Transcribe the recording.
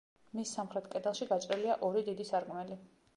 მის სამხრეთ კედელში გაჭრილია ორი დიდი სარკმელი.